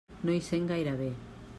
No hi sent gaire bé.